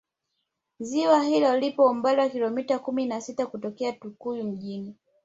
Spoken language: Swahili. ziwa hilo lipo umbali wa Kilomita kumi na sita kutokea tukuyu mjini